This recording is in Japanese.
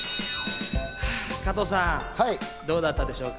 加藤さん、どうだったでしょうか？